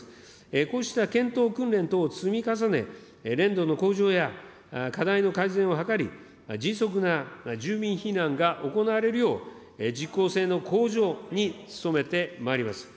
こうした検討訓練等を積み重ね、練度の向上や課題の改善を図り、迅速な住民避難が行われるよう、実効性の向上に努めてまいります。